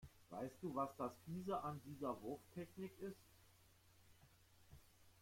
Weißt du, was das Fiese an dieser Wurftechnik ist?